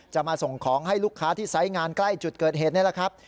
จะมาส่งของให้ลูกค้าที่ไซส์งานใกล้จุดเกิดเหตุนี่แหละครับ